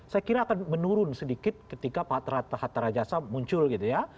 saya kira akan menurun sedikit ketika pak hatta rajasa muncul gitu ya